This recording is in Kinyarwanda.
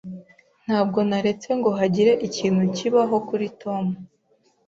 Ntabwo naretse ngo hagire ikintu kibaho kuri Tom.